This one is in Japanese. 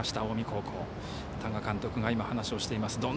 多賀監督が話をしています。